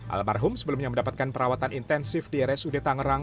almarhum sebelumnya mendapatkan perawatan intensif di rsud tangerang